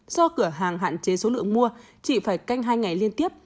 do cửa hàng hạn chế số lượng mua chị phải canh hai ngày liên tiếp